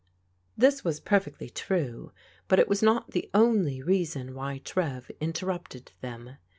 This was perfectly true, but it was not the only reason why Trev interrupted them.